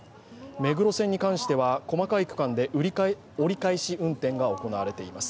目黒線に関しては細かい区間で折り返し運転が行われています。